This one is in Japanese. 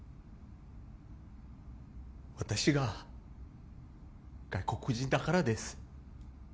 私が外国人だからです